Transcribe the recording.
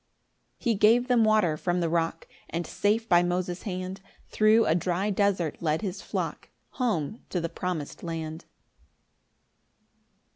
10 He gave them water from the rock; And safe by Moses' hand Thro' a dry desert led his flock Home to the promis'd land.